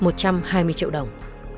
một trăm hai mươi triệu đồng